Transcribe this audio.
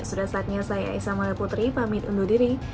sudah saatnya saya aissa malaputri pamit undur diri